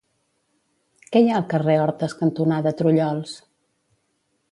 Què hi ha al carrer Hortes cantonada Trullols?